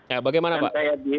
ya bagaimana pak